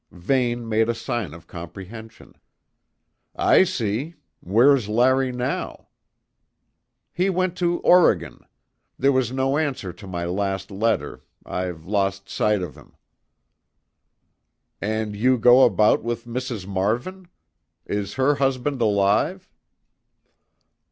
Vane made a sign of comprehension. "I see. Where's Larry now?" "He went to Oregon. There was no answer to my last letter; I've lost sight of him." "And you go about with Mrs. Marvin? Is her husband alive?"